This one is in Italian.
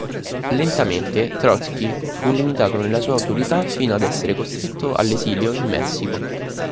Lentamente Trozkij fu limitato nella sua autorità fino ad essere costretto all'esilio in Messico